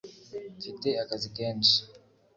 Mfite akazi kenshi